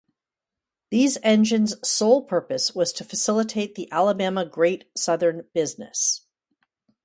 These engines sole purpose was to facilitate the Alabama Great Southern business.